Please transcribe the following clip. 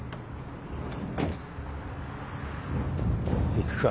行くか。